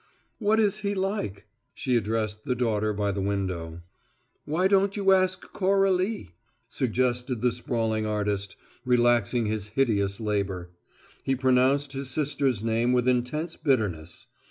"What is he like?" She addressed the daughter by the window. "Why don't you ask Coralie?" suggested the sprawling artist, relaxing his hideous labour. He pronounced his sister's name with intense bitterness.